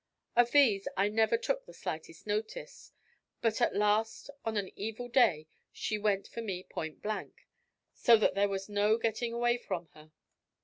Of these I never took the slightest notice; but at last on an evil day she went for me point blank, so that there was no getting away from her.